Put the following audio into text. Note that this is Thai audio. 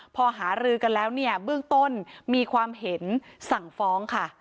พอหารือกันแล้วเนี่ยเบื้องต้นมีความเห็นสั่งฟ้องค่ะ